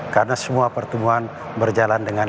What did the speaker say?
karena semua pertemuan berjalan dengan